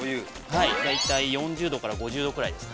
大体４０度から５０度ぐらいです。